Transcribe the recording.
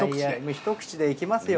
１口でいきますよ。